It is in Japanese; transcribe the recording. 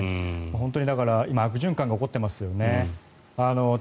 本当に、今悪循環が起こっていますよね。